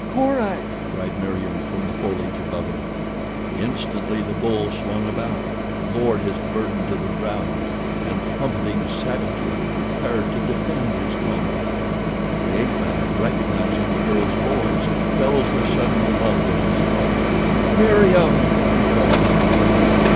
"Korak!" cried Meriem from the foliage above him. Instantly the bull swung about, lowered his burden to the ground and, trumpeting savagely, prepared to defend his comrade. The ape man, recognizing the girl's voice, felt a sudden lump in his throat. "Meriem!" he called back to her.